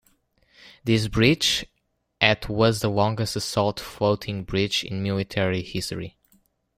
This bridge, at was the longest assault floating bridge in military history.